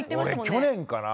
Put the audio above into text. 俺去年かな？